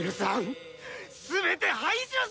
全て排除する！